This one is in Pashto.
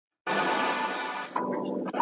ته تر نبوت مخکي پدغه کتاب او ايمان نه وي خبر.